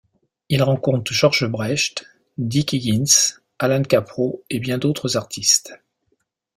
Il rencontre George Brecht, Dick Higgins, Allan Kaprow et bien d’autres artistes.